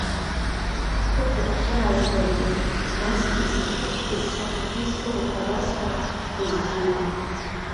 Ҳқыҭа гәхьаазгалоит, насгьы сахьықәҵыз сахьхәны сыҟоуп ҳәа басҳәар, бызжьеит.